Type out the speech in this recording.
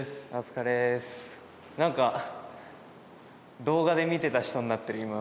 なんか動画で見てた人になってる今。